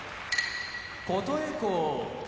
琴恵光